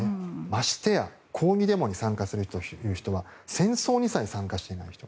ましてや抗議デモに参加するという人は戦争にさえ参加していない人。